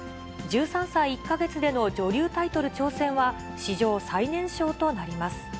１３歳１か月での女流タイトル挑戦は、史上最年少となります。